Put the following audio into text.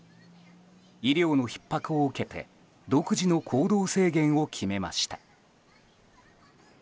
医療のひっ迫を受けて独自の行動制限を決めました。